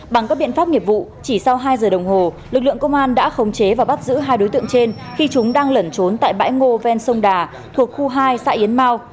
bằng các biện pháp nghiệp vụ chỉ sau hai giờ đồng hồ lực lượng công an đã khống chế và bắt giữ hai đối tượng trên khi chúng đang lẩn trốn tại bãi ngô ven sông đà thuộc khu hai xã yến mau